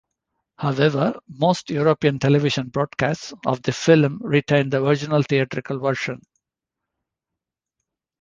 However, most European television broadcasts of the film retained the original theatrical version.